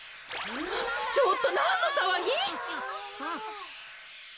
ちょっとなんのさわぎ？